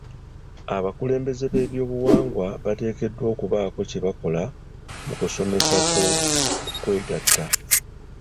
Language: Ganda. Abakulembeze b'ebyobuwangwa bateekeddwa okubaako kye bakola mu kusomesa ku kwegatta.